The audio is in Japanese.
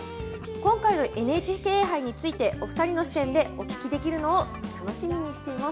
今回のＮＨＫ杯についてお二人の視点でお聞きできるのを楽しみにしています。